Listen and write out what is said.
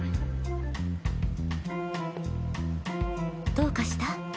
どうかした？